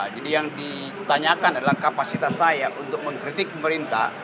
jadi yang ditanyakan adalah kapasitas saya untuk mengkritik pemerintah